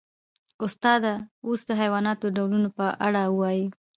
استاده اوس د حیواناتو د ډولونو په اړه ووایئ